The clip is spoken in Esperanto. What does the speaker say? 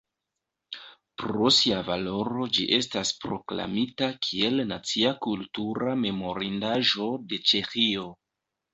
Pro sia valoro ĝi estas proklamita kiel Nacia kultura memorindaĵo de Ĉeĥio.